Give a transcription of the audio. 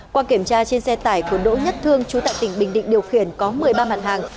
qua kiểm tra trên xe tải của đỗ nhất thương chú tại tỉnh bình định điều khiển có một mươi ba mặt hàng